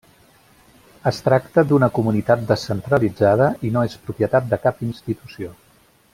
Es tracta d'una comunitat descentralitzada i no és propietat de cap institució.